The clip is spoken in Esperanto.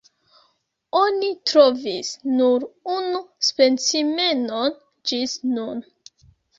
Oni trovis nur unu specimenon ĝis nun.